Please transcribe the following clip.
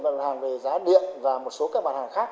bản hàng về giá điện và một số các bản hàng khác